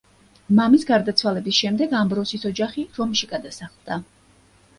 მამის გარდაცვალების შემდეგ ამბროსის ოჯახი რომში გადასახლდა.